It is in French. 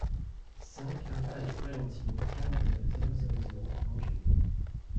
cinq iMPASSE DU PREGENTIL, quarante-neuf, zéro zéro zéro, Angers